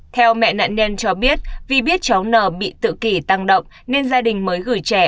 theo mẹ nạn nhân cho biết vì biết cháu n bị tự kỷ tăng động nên gia đình mới gửi trẻ